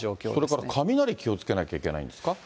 それから、雷気をつけなきゃいけないんですか？